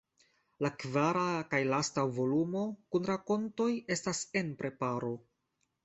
La kvara kaj lasta volumo kun rakontoj estas en preparo.